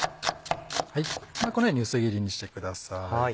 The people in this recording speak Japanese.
このように薄切りにしてください。